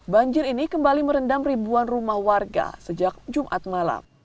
banjir ini kembali merendam ribuan rumah warga sejak jumat malam